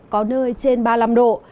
có nơi trên ba mươi năm độ